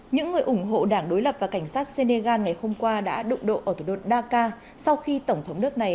những người ủng hộ đảng đối lập và cảnh sát senegal ngày hôm qua đã đụng độ ở thủ đô dakar sau khi tổng thống nước này